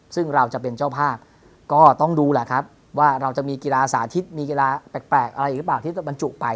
ซึ่งเราจะเป็นเจ้าภาพก็ต้องดูแหละครับว่าเราจะมีกีฬาสาธิตมีกีฬาแปลกอะไรอีกหรือเปล่าที่บรรจุไป